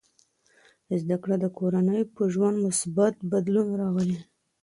زده کړه د کورنۍ په ژوند مثبت بدلون راولي.